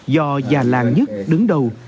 do già làng nhất đứng đầu